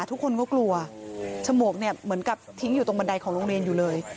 ทุกคนก็กลัวฉมวกเนี่ยเหมือนกับทิ้งอยู่ตรงบันไดของโรงเรียนอยู่เลย